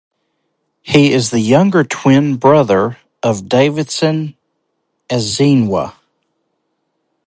He is the younger twin brother of Davidson Ezinwa.